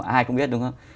ai cũng biết đúng không